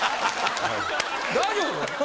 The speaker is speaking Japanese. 大丈夫？